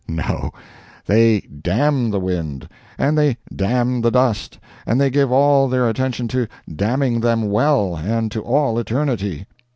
No—they damn the wind, and they damn the dust, and they give all their attention to damning them well, and to all eternity.